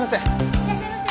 いらっしゃいませ。